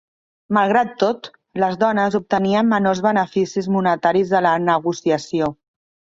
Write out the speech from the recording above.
Malgrat tot, les dones obtenien menors beneficis monetaris de la negociació.